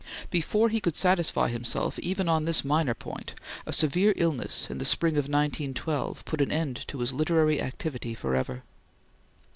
Before he could satisfy himself even on this minor point, a severe illness in the spring of 1912 put an end to his literary activity forever.